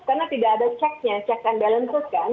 karena tidak ada ceknya cek and balance kan